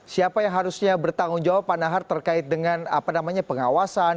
siapa yang harusnya bertanggung jawab pak nahar terkait dengan pengawasan